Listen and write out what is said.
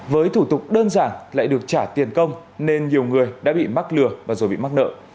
với thủ tục đơn giản lại được trả tiền công nên nhiều người đã bị mắc lừa và rồi bị mắc nợ